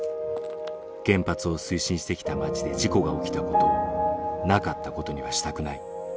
「原発を推進してきた町で事故が起きたことをなかったことにはしたくない」。